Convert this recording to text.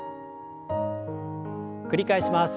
繰り返します。